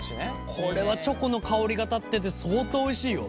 これはチョコの香りが立ってて相当おいしいよ。